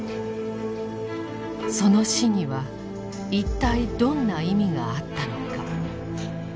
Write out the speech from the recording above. その死にはいったいどんな意味があったのか。